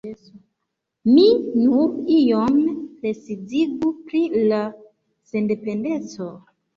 Mi nur iom precizigu pri la sendependeco.